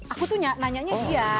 aku tuh nanya dia